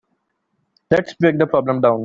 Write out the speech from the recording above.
Let's break the problem down.